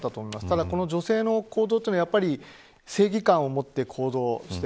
ただ、この女性の行動は正義感をもって行動した。